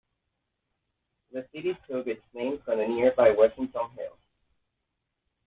The city took its name from the nearby Wessington Hills.